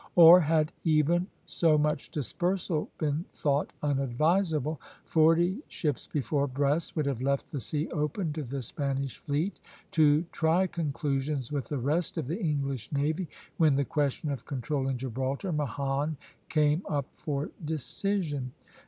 Or, had even so much dispersal been thought unadvisable, forty ships before Brest would have left the sea open to the Spanish fleet to try conclusions with the rest of the English navy when the question of controlling Gibraltar and Mahon came up for decision.